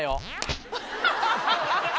ハハハハハ！